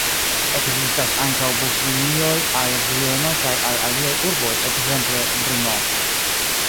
Ekzistas ankaŭ buslinioj al Vieno kaj al aliaj urboj, ekzemple Brno.